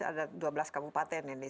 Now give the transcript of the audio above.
ada dua belas kabupaten ini